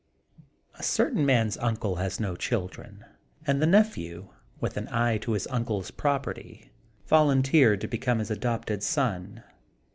A certain man's uncle had no children, and the nephew, with an eye to his uncle's property, volunteered to become his adopted son.